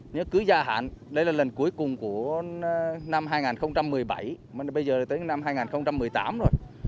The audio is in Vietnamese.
nếu cứ gia hạn đây là lần cuối cùng của năm hai nghìn một mươi bảy bây giờ tới năm hai nghìn một mươi tám rồi